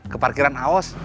ke parkiran haos